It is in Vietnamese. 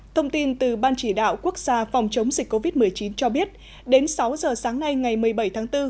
thông tin từ ban chỉ đạo quốc gia phòng chống dịch covid một mươi chín cho biết đến sáu giờ sáng nay ngày một mươi bảy tháng bốn